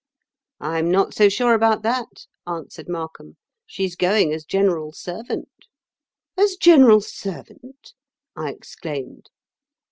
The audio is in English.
'I am not so sure about that,' answered Markham; 'she's going as general servant.' 'As general servant!' I exclaimed.